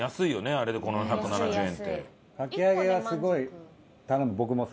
あれでこの１７０円って。